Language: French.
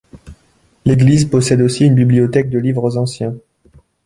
L'église possède aussi une bibliothèque de livres anciens.